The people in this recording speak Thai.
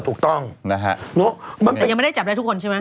ยังไม่ได้จับได้ทุกคนใช่มั้ย